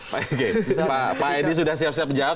pak edi sudah siap siap menjawab